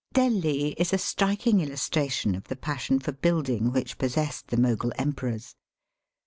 295 Delhi is a striking illustration of the passion for building which possessed the Mogul emperors.